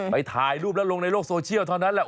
ถ่ายรูปแล้วลงในโลกโซเชียลเท่านั้นแหละ